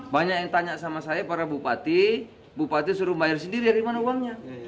banyak yang tanya sama saya para bupati bupati suruh bayar sendiri dari mana uangnya